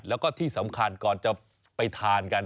แล้วก็ที่สำคัญก่อนจะไปทานกัน